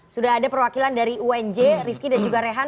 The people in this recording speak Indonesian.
sudah ada perwakilan dari unj rifki dan juga rehan